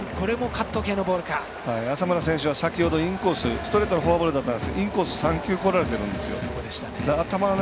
浅村選手は先ほどインコースストレートのフォアボールだったんですがインコース、３球こられているんですよ。